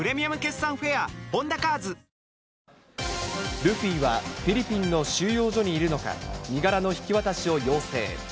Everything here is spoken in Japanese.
ルフィはフィリピンの収容所にいるのか、身柄の引き渡しを要請。